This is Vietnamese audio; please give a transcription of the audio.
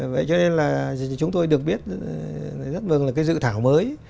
vậy cho nên là chúng tôi được biết rất mừng là cái dự thảo mới